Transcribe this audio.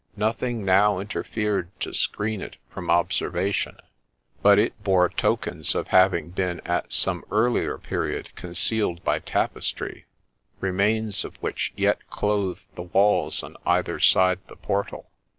Nothing now interfered to screen it from observation ; but it bore tokens of having been at some earlier period concealed by tapestry, remains of which yet clothed the walls on either side the portal.